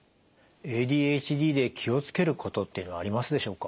ＡＤＨＤで気を付けることっていうのはありますでしょうか？